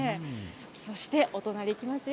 そしてお隣行きますよ。